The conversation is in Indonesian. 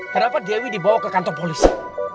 kenapa dewi dibawa ke kantor polisi